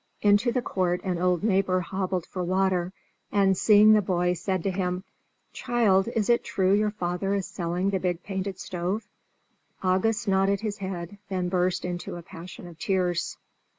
Into the court an old neighbour hobbled for water, and, seeing the boy, said to him: "Child, is it true your father is selling the big painted stove?" August nodded his head, then burst into a passion of tears.